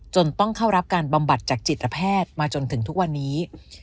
ต้องเข้ารับการบำบัดจากจิตแพทย์มาจนถึงทุกวันนี้